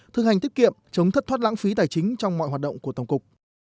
thực hành tiết kiệm chống thất thoát lãng phí tài chính trong mọi hoạt động của tổng cục